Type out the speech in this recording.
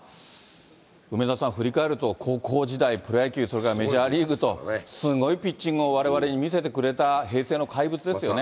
梅沢さん、振り返ると、高校時代、プロ野球、メジャーリーグと、すごいピッチングをわれわれに見せてくれた平成の怪物ですよね。